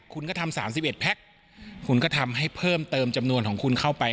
คุณก็ทำ๓๑แพ็คคุณก็ทำให้เพิ่มเติมจำนวนของคุณเข้าไป